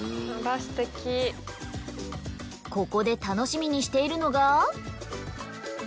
ここで楽しみにしているのが。